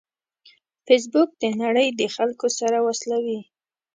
فېسبوک د نړۍ د خلکو سره وصلوي